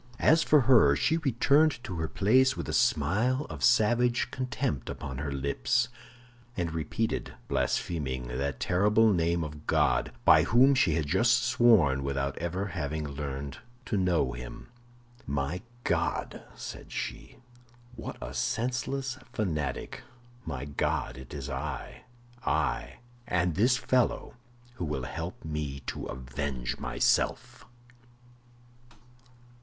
As for her, she returned to her place with a smile of savage contempt upon her lips, and repeated, blaspheming, that terrible name of God, by whom she had just sworn without ever having learned to know Him. "My God," said she, "what a senseless fanatic! My God, it is I—I—and this fellow who will help me to avenge myself."